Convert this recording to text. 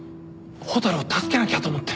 蛍を助けなきゃと思って。